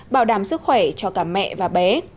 bảo đảm sức khỏe cho cả mẹ và bé